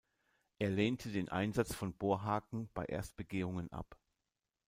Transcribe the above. Er lehnte den Einsatz von Bohrhaken bei Erstbegehungen ab.